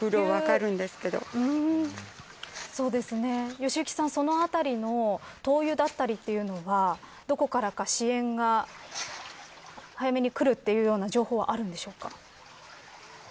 良幸さん、そのあたりは灯油だったりというのはどこからか支援が早めにくるという情報はあるんでしょうか。